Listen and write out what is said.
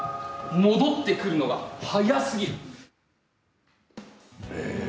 戻ってくるのが早すぎる。